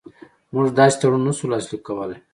موږ داسې تړون نه شو لاسلیک کولای.